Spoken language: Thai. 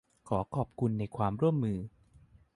ขอขอบคุณในความร่วมมือ